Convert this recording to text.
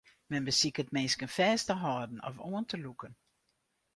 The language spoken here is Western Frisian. Men besiket minsken fêst te hâlden of oan te lûken.